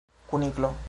Kuniklo!